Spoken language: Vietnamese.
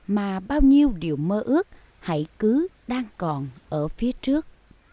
mà bao nhiêu điều mơ ước hãy cứ đang còn ở phía trước